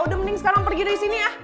udah mending sekarang pergi dari sini ya